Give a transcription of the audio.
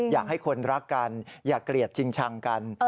อยากให้คนรักกันอย่าเกลียดจริงชังกัน